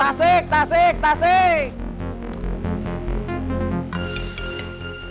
tasik tasik tasik